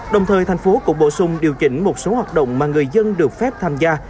đồng thời thành phố cũng bổ sung điều chỉnh một số hoạt động mà người dân được phép tham gia